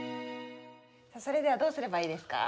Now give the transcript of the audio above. それではどうすればいいですか？